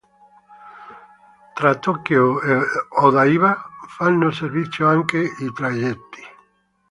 Tra Tokyo e Odaiba fanno servizio anche i traghetti.